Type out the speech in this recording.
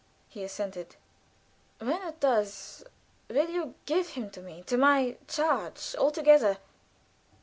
He assented. "When it does, will you give him to me to my charge altogether?"